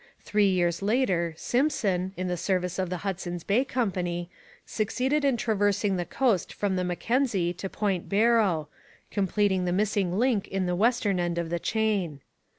Three years later Simpson, in the service of the Hudson's Bay Company, succeeded in traversing the coast from the Mackenzie to Point Barrow, completing the missing link in the western end of the chain.